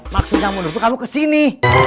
maksudnya mundur kamu kesini